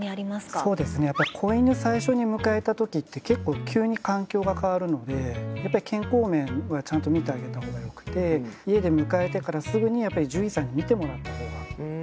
そうですね子犬最初に迎えた時って結構急に環境が変わるのでやっぱり健康面はちゃんと見てあげた方がよくて家で迎えてからすぐに獣医さんに診てもらった方がいいですね。